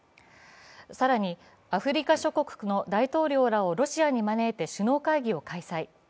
更にアフリカ諸国の大統領らをロシアに招いて首脳会議を開催。